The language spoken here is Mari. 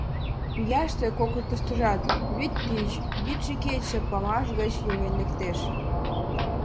Пӱяште, кокытыштыжат вӱд тич, йӱдшӧ-кечыже памаш гыч йоген лектеш.